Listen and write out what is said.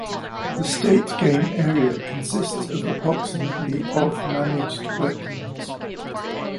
The state game area consists of approximately of managed wetlands.